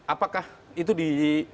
apakah itu di